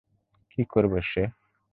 কী করবে সে?